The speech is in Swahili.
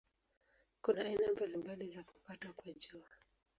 Kuna aina mbalimbali za kupatwa kwa Jua.